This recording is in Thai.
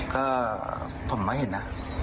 ก็ผมไม่เห็นนะ